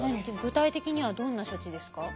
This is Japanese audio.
具体的にはどんな処置ですか？